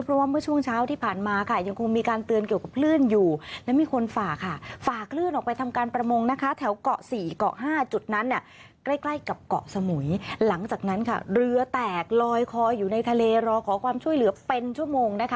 เพราะว่าเมื่อช่วงเช้าที่ผ่านมาค่ะยังคงมีการเตือนเกี่ยวกับคลื่นอยู่แล้วมีคนฝ่าค่ะฝ่าคลื่นออกไปทำการประมงนะคะแถวเกาะ๔เกาะ๕จุดนั้นเนี่ยใกล้ใกล้กับเกาะสมุยหลังจากนั้นค่ะเรือแตกลอยคออยู่ในทะเลรอขอความช่วยเหลือเป็นชั่วโมงนะคะ